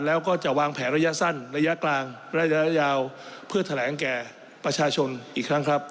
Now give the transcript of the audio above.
แล้วก็จะวางแผนระยะสั้นระยะกลางระยะยาวเพื่อแถลงแก่ประชาชนอีกครั้งครับ